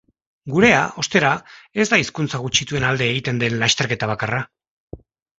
Gurea, ostera, ez da hizkuntza gutxituen alde egiten den lasterketa bakarra.